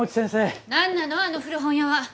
何なのあの古本屋は！